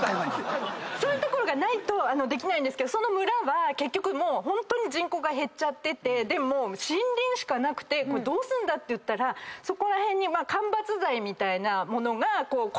そういう所がないとできないんですけどその村は結局ホントに人口が減っててもう森林しかなくてこれどうすんだっていったらそこら辺に間伐材みたいな物が転がってたんですよ。